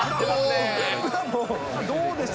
どうでした？